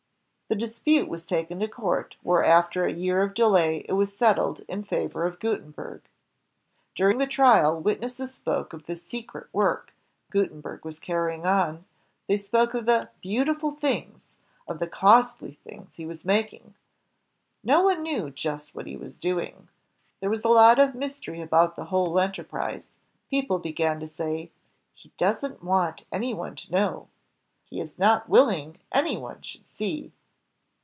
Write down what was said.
The dispute was taken to court, where, after a year of delay, it was settled in favor of Gutenberg. During the trial, witnesses spoke of the "secret work" Gutenberg was carrying on; they spoke of the "beautiful things," of the "costly things" he was making. No one knew just what he was doing. There was a lot of mystery JOHN GUTEXBERG 203 about the whole enterprise. People began to say: "He doesn't want anyone to know." "He is not willing any one should see."